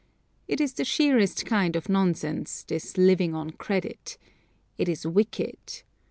It is the sheerest kind of nonsense, this living on credit. It is wicked.